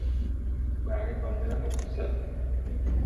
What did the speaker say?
Ba cái con nớ mà cũng sợ